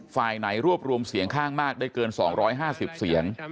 ฝ่ายไหนรวบรวมเสียงข้างมากได้เกิน๒๕๐เสียง